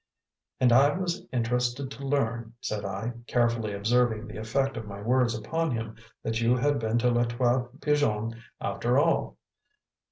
"And I was interested to learn," said I, carefully observing the effect of my words upon him, "that you had been to Les Trois Pigeons after all.